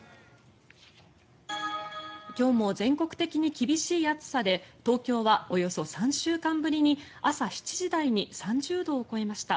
今日も全国的に厳しい暑さで東京はおよそ３週間ぶりに朝７時台に３０度を超えました。